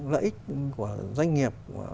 lợi ích của doanh nghiệp